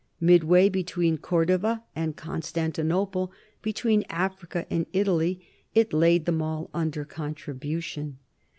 Midway between Cordova and Constantinople, between Africa and Italy, it laid them all under contribution.